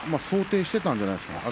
想定していたんじゃないですか。